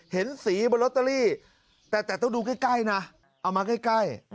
เห็นสีบนลอตเตอรี่แต่ต้องดูใกล้นะเอามาใกล้